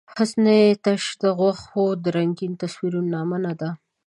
حسن تش د غوښو د رنګین تصویر نامه نۀ ده.